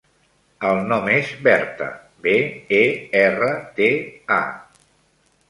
El nom és Berta: be, e, erra, te, a.